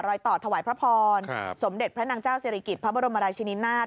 รอยต่อถวายพระพรสมเด็จพระนางเจ้าศิริกิจพระบรมราชินินาศ